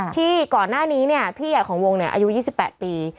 ที่ก่อนหน้านี้พี่ใหญ่ของวงอายุ๒๘ปี